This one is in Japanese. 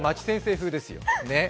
風ですよ。